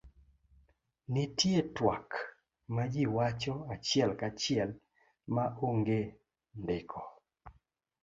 nitie twak majiwacho achiel kachiel ma onge ndiko